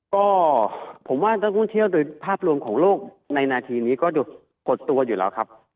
ก็ผมว่านักท่องเที่ยวโดยภาพรวมของโลกในนาทีนี้ก็ดูกดตัวอยู่แล้วครับ